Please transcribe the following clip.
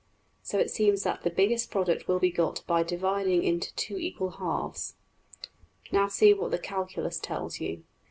So it seems that the biggest product will be got by dividing into two equal halves. Now see what the calculus tells you.